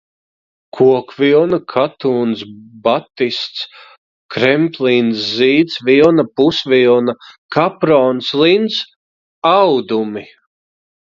Kokvilna, katūns, batists, kremplīns, zīds, vilna, pusvilna, kaprons, lins - audumi.